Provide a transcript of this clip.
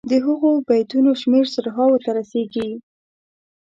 د هغو بیتونو شمېر زرهاوو ته رسيږي.